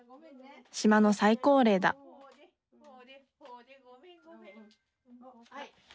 島の最高齢だはい。